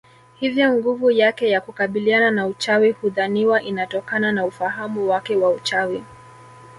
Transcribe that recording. Hivyo nguvu yake ya kukabiliana na uchawi hudhaniwa inatokana na ufahamu wake wa uchawi